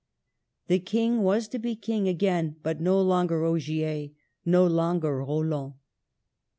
The King was to be the King again, but no longer Ogier, no longer Roland.